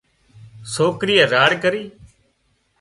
سوڪرِيئي راڙ ڪرِي